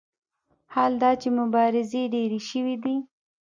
حال دا چې مبارزې ډېرې شوې دي.